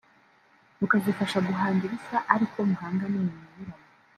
mukazifasha guhanga ibishya ari ko muhanga n’imirimo inyuranye